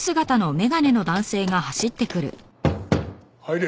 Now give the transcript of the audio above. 入れ。